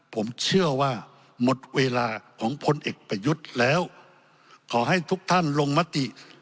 ผมเชื่อว่าหมดเวลาของพลเอกประยุทธ์แล้วขอให้ทุกท่านลงมติ